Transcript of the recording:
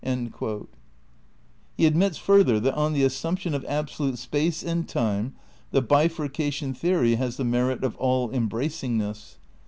* He admits, further, that, on the assumption of abso lute space and time the bifurcation theory has the merit of aU embraoingness.